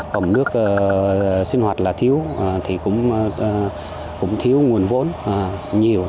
còn nước sinh hoạt là thiếu thì cũng thiếu nguồn vốn nhiều